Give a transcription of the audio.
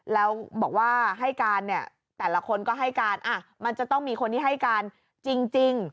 แล้วบอกว่าให้การเนี่ยแต่ละคนก็ให้การมันจะต้องมีคนที่ให้การจริง